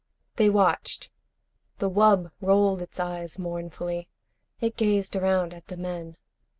They watched. The wub rolled its eyes mournfully. It gazed around at the men.